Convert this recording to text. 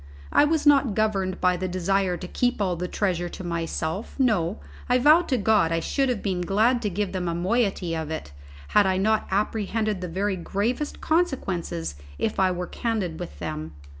I was not governed by the desire to keep all the treasure to myself; no, I vow to God I should have been glad to give them a moiety of it, had I not apprehended the very gravest consequences if I were candid with them.